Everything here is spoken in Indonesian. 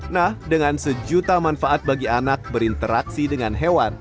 nah dengan sejuta manfaat bagi anak berinteraksi dengan hewan